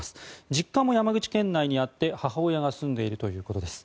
実家も山口県内にあって母親が住んでいるということです。